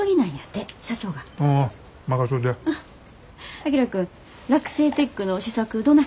章君洛西テックの試作どない？